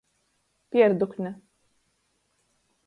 Pierdukne.